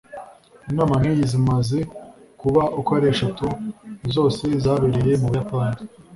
Inama nk’iyi zimaze kuba uko ari eshatu zose zabereye mu Buyapani